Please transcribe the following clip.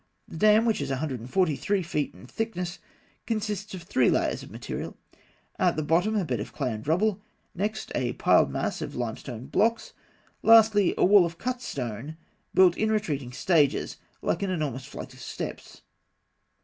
The dam, which is 143 feet in thickness, consists of three layers of material; at the bottom, a bed of clay and rubble; next, a piled mass of limestone blocks (A); lastly, a wall of cut stone built in retreating stages, like an enormous flight of steps (B).